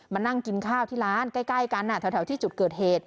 มานั่งกินข้าวที่ร้านใกล้กันแถวที่จุดเกิดเหตุ